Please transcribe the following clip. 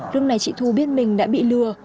lúc này chị thu biết mình đã bị lừa